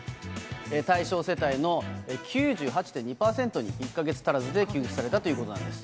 対象世帯の９８．２％に１か月足らずで給付されたということなんです。